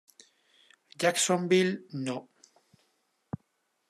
Jacksonville No.